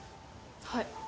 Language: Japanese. はい。